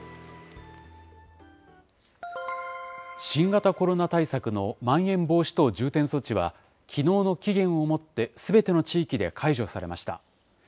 新型コロナ対策のまん延防止等重点措置は、きのうの期限をもってすべての地域で解除されました。